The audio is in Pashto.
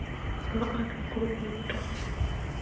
زما اند او ګروهه يې بوته کړه.